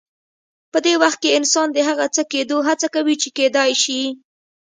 په دې وخت کې انسان د هغه څه کېدو هڅه کوي چې کېدای شي.